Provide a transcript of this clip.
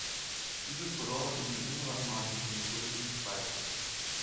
Dieses verlor er gegen Imran Majid und wurde somit Zweiter.